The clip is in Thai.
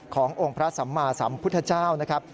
ขององค์พระสัมมาสัมพุทธเจ้านะครับ